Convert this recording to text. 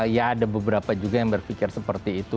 ya ada beberapa juga yang berpikir seperti itu